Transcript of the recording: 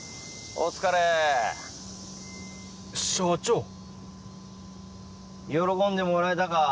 お疲れ社長喜んでもらえたか？